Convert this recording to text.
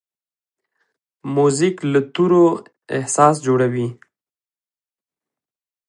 موزیک له تورو احساس جوړوي.